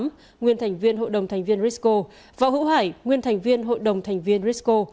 nguyễn thị thúy hằng nguyên thành viên hội đồng thành viên risco võ hữu hải nguyên thành viên hội đồng thành viên risco